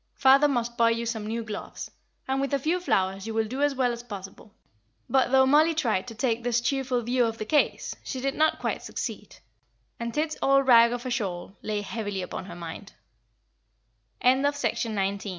Father must buy you some new gloves; and, with a few flowers, you will do as well as possible." But though Mollie tried to take this cheerful view of the case, she did not quite succeed, and "Tid's old rag of a shawl" lay heavily upon her mind. CHAPTER XX. "DAD'S LITTLE BETTY."